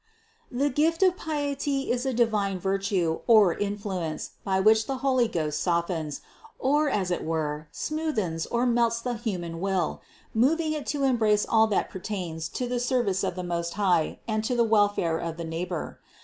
609. The gift of piety is a divine virtue or influence by which the Holy Ghost softens, or as it were smoothens or melts the human will, moving it to embrace all that per tains to the service of the Most High and to the welfare of the neighbor.